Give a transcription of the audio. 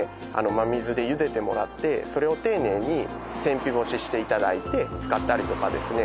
真水でゆでてもらってそれを丁寧に天日干ししていただいて使ったりとかですね